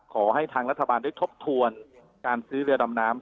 ขอให้ทางรัฐบาลได้ทบทวนการซื้อเรือดำน้ำ